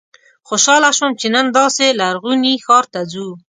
خوشاله شوم چې نن داسې لرغوني ښار ته ځو.